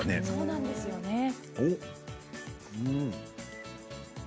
そうなんですよね。